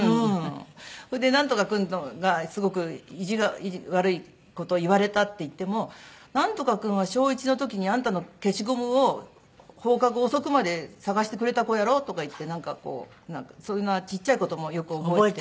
それで「なんとか君がすごく意地が悪い事言われた」って言っても「なんとか君は小１の時にあんたの消しゴムを放課後遅くまで捜してくれた子やろ」とか言ってなんかそんなちっちゃい事もよく覚えてて。